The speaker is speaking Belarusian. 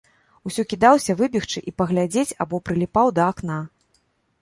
Усё кідаўся выбегчы і паглядзець або прыліпаў да акна.